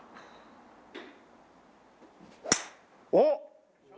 おっ！